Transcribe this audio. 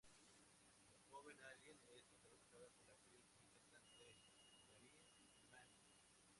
La joven alien es protagonizada por la actriz y cantante Taryn Manning.